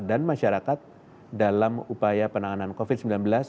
pemerintah dan masyarakat dalam upaya penanganan covid sembilan belas